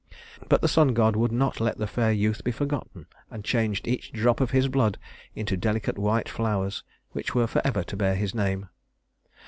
But the sun god would not let the fair youth be forgotten, and changed each drop of his blood into delicate white flowers which were forever to bear his name.